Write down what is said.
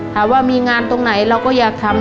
ถามว่ามีงานตรงไหนเราก็อยากทำ